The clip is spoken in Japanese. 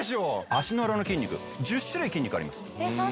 足の裏の筋肉１０種類筋肉あります。